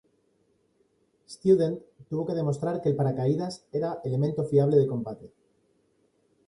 Student tuvo que demostrar que el paracaídas era un elemento fiable de combate.